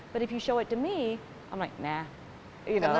tapi kalau kamu menunjukkannya ke saya saya akan bilang tidak